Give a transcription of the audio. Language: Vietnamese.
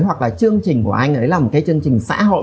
hoặc là chương trình của anh ấy là một cái chương trình xã hội